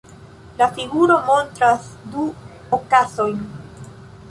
La figuro montras du okazojn.